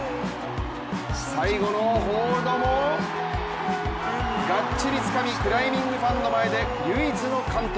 最後のホールドもがっちりつかみ、クライミングファンの前で、唯一の完登。